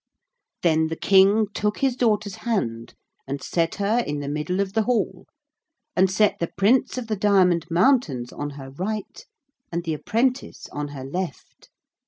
Then the King took his daughter's hand and set her in the middle of the hall, and set the Prince of the Diamond Mountains on her right and the apprentice on her left.